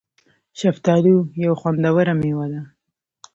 شفتالو یو خوندوره مېوه ده